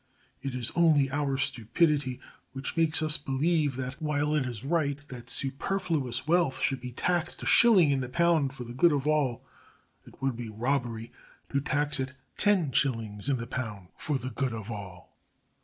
It is only our stupidity which makes us believe that, while it is right that superfluous wealth should be taxed a shilling in the pound for the good of all, it would be robbery to tax it ten shillings in the pound for the good of all.